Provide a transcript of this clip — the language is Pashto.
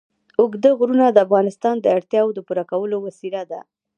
اوږده غرونه د افغانانو د اړتیاوو د پوره کولو وسیله ده.